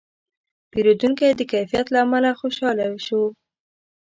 پیرودونکی د کیفیت له امله خوشاله شو.